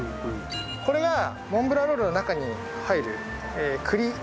これがモンブランロールの中に入る栗ですね。